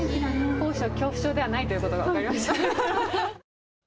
高所恐怖症ではないということが分かりましたね。